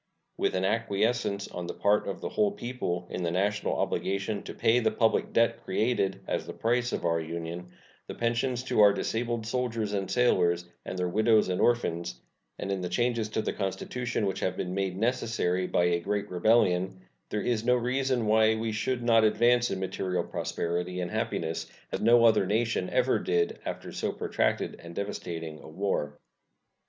With an acquiescence on the part of the whole people in the national obligation to pay the public debt created as the price of our Union, the pensions to our disabled soldiers and sailors and their widows and orphans, and in the changes to the Constitution which have been made necessary by a great rebellion, there is no reason why we should not advance in material prosperity and happiness as no other nation ever did after so protracted and devastating a war.